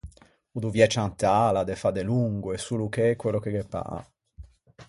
O doviæ ciantâla de fâ delongo e solo che quello che ghe pâ.